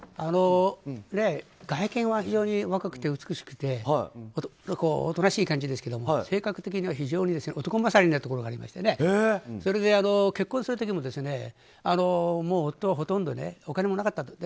外見は非常に若くて美しくておとなしい感じですけど性格的には非常に男勝りなところがありましてそれで結婚する時も夫はほとんどお金もなかった。